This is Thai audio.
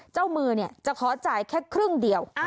เจ้ามือจะขอจ่ายแค่ครึ่งเดียว